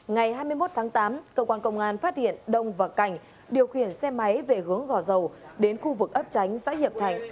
ngày hai mươi một tháng tám cơ quan công an phát hiện đông và cảnh điều khiển xe máy về hướng gò dầu đến khu vực ấp tránh xã hiệp thạnh